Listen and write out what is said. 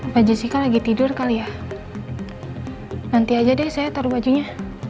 pak jessica lagi tidur kali ya nanti aja deh saya taruh bajunya